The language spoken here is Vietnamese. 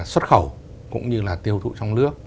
xuất khẩu cũng như là tiêu thụ trong nước